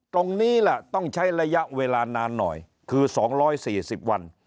ตรงนี้ล่ะต้องใช้ระยะเวลานานหน่อยคือ๒๔๐วัน